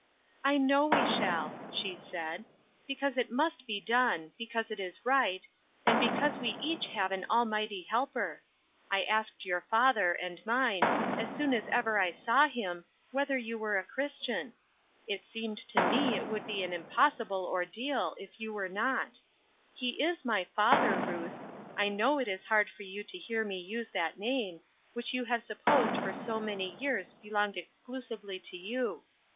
" I know we shall," she said. " Because it must be done — because it is right — and be cause we each have an Almighty Helper. I asked your father, and mine, as soon as ever I saw him, whether you were a Christian. It seemed to me it would be an impossible ordeal Her Cross Seems Heavy, \t if you were not. He is my father, Ruth. 1 know it* is hard for you to hear me use that name, which you have supposed for so many years belonged exclusively to you.